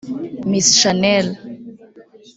Miss Shanel